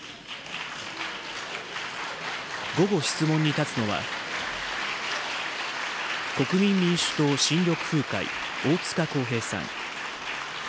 午後質問に立つのは、国民民主党・新緑風会、大塚耕平さん。